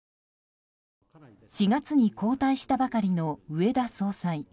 ４月に交代したばかりの植田総裁。